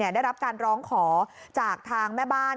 ได้รับการร้องขอจากทางแม่บ้าน